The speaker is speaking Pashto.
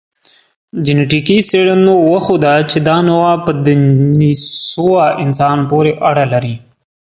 جنټیکي څېړنو وښوده، چې دا نوعه په دنیسووا انسان پورې اړه لري.